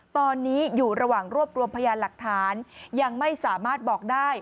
ตอนนี้อยู่ระหว่างรวบรวมพยานหลักฐานยังไม่สามารถบอกได้